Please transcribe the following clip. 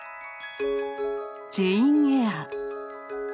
「ジェイン・エア」。